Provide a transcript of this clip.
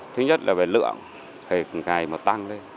thứ nhất là lượng ngày tăng lên